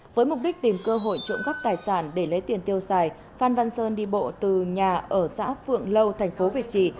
với mục đích tìm cơ hội trộm gắp tài sản để lấy tiền tiêu xài phan văn sơn đi bộ từ nhà ở xã phượng lâu tp việt trì